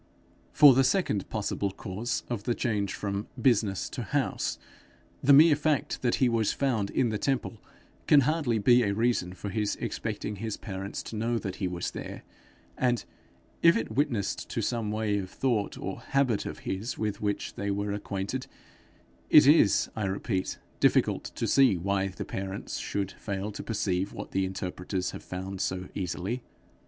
For the second possible cause of the change from business to temple the mere fact that he was found in the temple, can hardly be a reason for his expecting his parents to know that he was there; and if it witnessed to some way of thought or habit of his with which they were acquainted, it is, I repeat, difficult to see why the parents should fail to perceive what the interpreters have found so easily.